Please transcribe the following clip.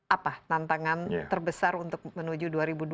apa tantangan terbesar untuk menuju dua ribu dua puluh